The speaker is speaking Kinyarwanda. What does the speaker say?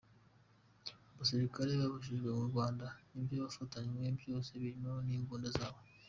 Abasirikare basubijwe i Rwanda n’ibyo bafatanywe byose birimo n’imbunda zabo.